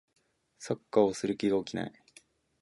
サッカーをする気が起きない